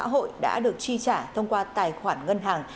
trợ cấp an sinh xã hội đã được tri trả thông qua tài khoản ngân hàng